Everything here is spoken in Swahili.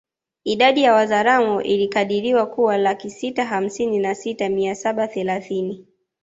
Idadi ya Wazaramo ilikadiriwa kuwa laki sita hamsini na sita mia saba thelathini